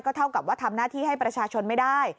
เท่ากับว่าทำหน้าที่ให้ประชาชนไม่ได้